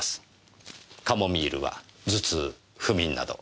カモミールは頭痛不眠など。